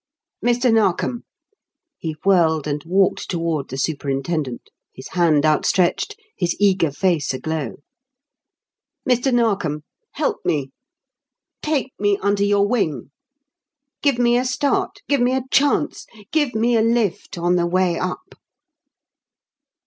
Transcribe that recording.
"Mr. Narkom" he whirled and walked toward the superintendent, his hand outstretched, his eager face aglow "Mr. Narkom, help me! Take me under your wing. Give me a start give me a chance give me a lift on the way up!"